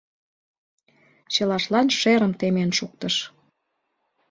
Чылаштлан шерым темен шуктыш.